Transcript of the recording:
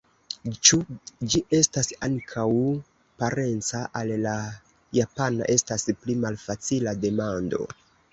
Ĉu ĝi estas ankaŭ parenca al la japana estas pli malfacila demando.